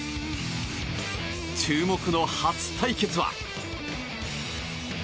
注目の初対決は。